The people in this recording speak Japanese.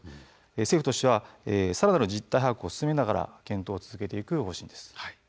政府としてはさらなる実態把握を進めながら検討を進めていくということです。